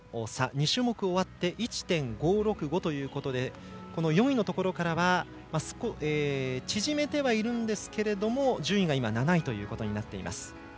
２種目終わって１．５６５ということで４位のところからは縮めてはいるんですが順位が７位ということになっています。